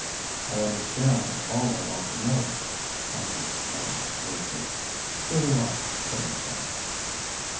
"I understand all I want to know," answered Tom briefly. "So do I," put in Sam.